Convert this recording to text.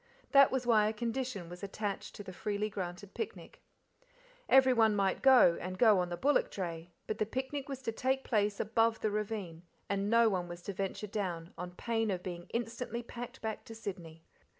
That was why a condition was attached to the freely granted picnic. Everyone might go, and go on the bullock dray, but the picnic was to take place above the ravine, and no one was to venture down, on pain of being instantly packed back to Sydney.